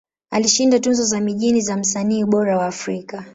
Alishinda tuzo za mijini za Msanii Bora wa Afrika.